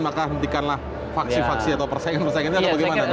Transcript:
maka hentikanlah faksi faksi atau persaingan persaingannya atau bagaimana